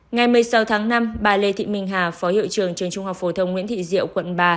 ngày một mươi sáu tháng năm bà lê thị minh hà phó hiệu trường trường trung học phổ thông nguyễn thị diệu quận ba